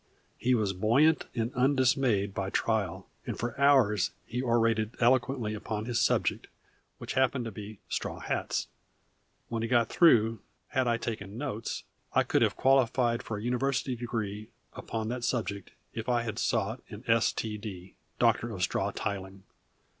He was buoyant and undismayed by trial, and for hours he orated eloquently upon his subject, which happened to be straw hats. When he got through, had I taken notes, I could have qualified for a University degree upon that subject if I had sought an S. T. D. (Doctor of Straw Tiling).